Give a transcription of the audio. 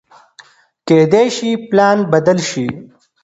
کېدای شي پلان بدل شي.